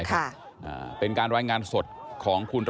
อย่าเน้นอย่าเน้น